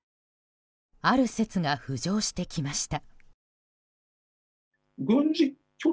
ある説が浮上してきました。